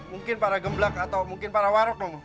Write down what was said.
mungkin para gemblak atau mungkin para waruk romo